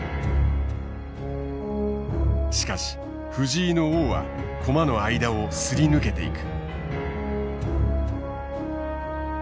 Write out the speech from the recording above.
しかし藤井の王は駒の間をすり抜けていく。